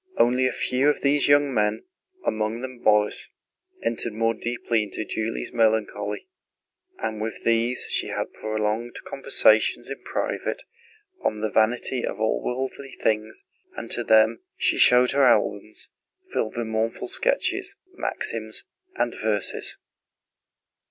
Only a few of these young men, among them Borís, entered more deeply into Julie's melancholy, and with these she had prolonged conversations in private on the vanity of all worldly things, and to them she showed her albums filled with mournful sketches, maxims, and verses.